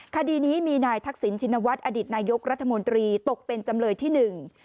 คดีนี้มีนายทักษิณชินวัฒน์อดีตนายกรัฐมนตรีตกเป็นจำเลยที่หนึ่ง